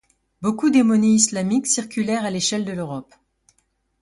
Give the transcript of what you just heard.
Beaucoup des monnaies islamiques circulèrent à l'échelle de l'Europe.